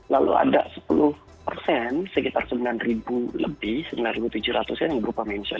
lalu ada sepuluh persen sekitar sembilan lebih sembilan tujuh ratus nya yang berupa mention